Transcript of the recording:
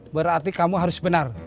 berarti kamu harus benar